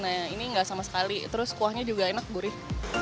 nah ini enggak sama sekali terus kuahnya juga enak gurih